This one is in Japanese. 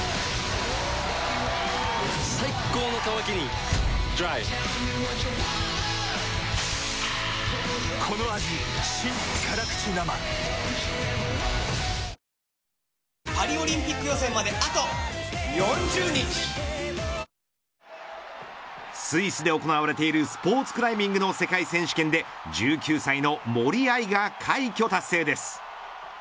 最高の渇きにＤＲＹスイスで行われているスポーツクライミングの世界選手権で１９歳の森秋彩が快挙達成です。